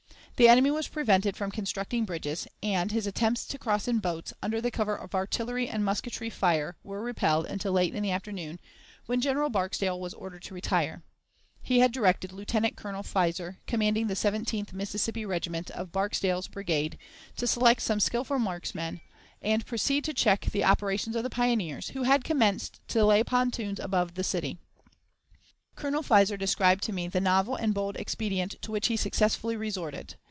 The enemy was prevented from constructing bridges, and his attempts to cross in boats, under the cover of artillery and musketry fire, were repelled until late in the afternoon, when General Barksdale was ordered to retire; he had directed Lieutenant Colonel Fizer, commanding the Seventeenth Mississippi Regiment, of Barksdale's brigade, to select some skillful marksmen, and proceed to check the operations of the pioneers, who had commenced to lay pontoons above the city. Colonel Fizer described to me the novel and bold expedient to which he successfully resorted.